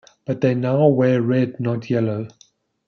But they now wear red not yellow.